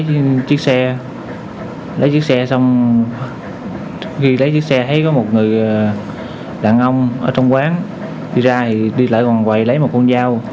trên chiếc xe lấy chiếc xe xong khi lấy chiếc xe thấy có một người đàn ông ở trong quán đi ra thì đi lại còn quầy lấy một con dao